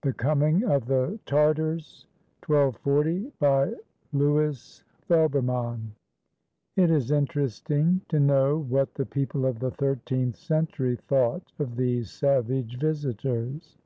THE COMING OF THE TARTARS BY LOUIS FELBERMANN [It is interesting to know what the people of the thirteenth century thought of these savage visitors.